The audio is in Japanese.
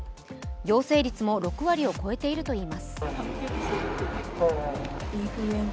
陽性率も６割を超えているといいます。